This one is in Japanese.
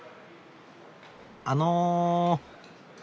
あの。